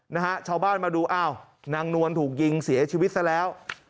นะฮะชาวบ้านมาดูอ้าวนางนวลถูกยิงเสียชีวิตซะแล้ว